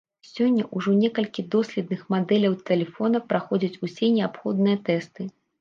Сёння ўжо некалькі доследных мадэляў тэлефона праходзяць усе неабходныя тэсты.